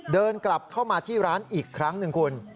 เดินกลับเข้ามาที่ร้านอีกครั้งหนึ่งคุณ